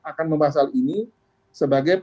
akan membahas hal ini sebagai